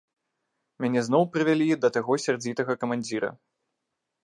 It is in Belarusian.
Мяне зноў прывялі да таго сярдзітага камандзіра.